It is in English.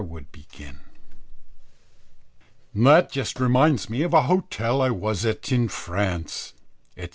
would begin. "That just reminds me of an hotel I was at in France," etc.